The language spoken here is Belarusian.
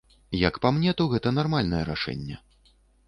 Як па мне, то гэта нармальнае рашэнне.